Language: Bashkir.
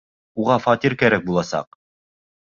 Уға фатир кәрәк буласаҡ.